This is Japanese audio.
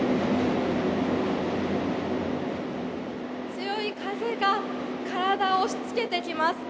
強い風が体を押しつけてきます。